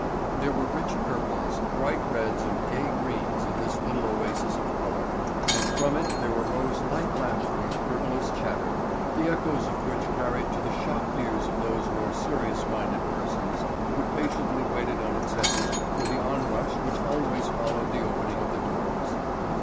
There were rich purples, bright reds and gay greens in this little oasis of color and from it there arose light laughter and frivolous chatter, the echoes of which carried to the shocked ears of those more serious minded persons who patiently waited on its edges for the onrush which always followed the opening of the doors.